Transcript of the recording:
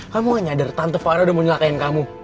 kamu gak nyader tante farah udah mau nyelakain kamu